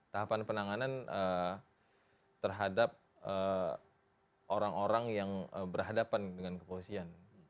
tahapan penanganan terhadap orang orang yang berhadapan dengan kepolisian